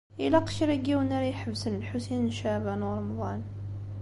Ilaq kra n yiwen ara iḥebsen Lḥusin n Caɛban u Ṛemḍan.